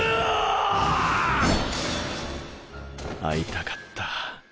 逢いたかった。